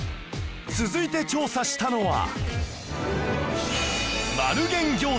続いて調査したのは